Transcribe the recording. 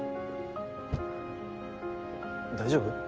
大丈夫？